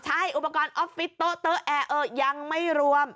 ใช่อุปกรณ์ออฟฟิศโต๊ะแอร์ยังไม่รวม